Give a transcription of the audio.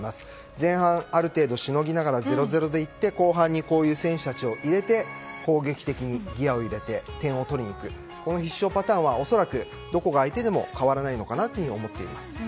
前半、ある程度しのぎながら０−０でいって後半にこういう選手たちを入れて攻撃的にギアを入れて点を取りに行くこの必勝パターンは恐らくどこが相手でも変わらないと思っています。